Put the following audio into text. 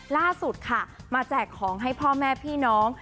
ล่าสุดค่ะมาแจกของให้พ่อแม่พี่น้อง